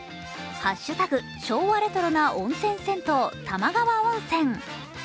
昭和レトロな温泉銭湯玉川温泉」。